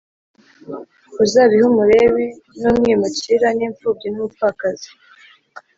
uzabihe Umulewi n umwimukira n imfubyi n umupfakazi